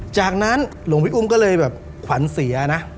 จากนั้นหลวงพี่อุ้มก็เลยแบบขวัญเสียนะ